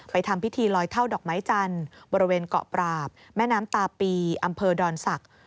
ทำพิธีลอยเท่าดอกไม้จันทร์บริเวณเกาะปราบแม่น้ำตาปีอำเภอดอนศักดิ์